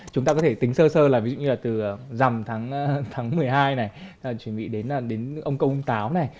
chúng ta có thể tính sơ sơ là ví dụ như là từ dằm tháng một mươi hai này chuẩn bị đến ông công ông táo này